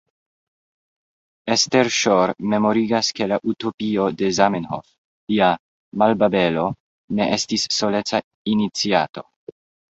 Esther Schor memorigas ke la utopio de Zamenhof, lia Malbabelo, ne estis soleca iniciato.